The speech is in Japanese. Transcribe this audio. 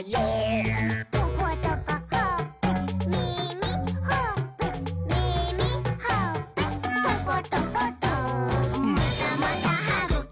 「トコトコほっぺみみほっぺ」「みみほっぺ」「トコトコト」「またまたはぐき！はぐき！はぐき！